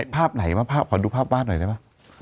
ภาพไหนขอดูภาพวาดหน่อยได้ป่ะ